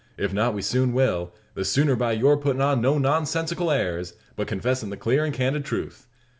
If not, we soon will the sooner by your puttin' on no nonsensical airs, but confessin' the clar and candid truth.